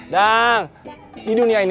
dadang di dunia ini